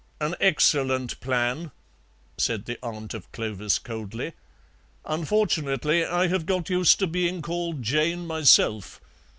"An excellent plan," said the aunt of Clovis coldly; "unfortunately I have got used to being called Jane myself.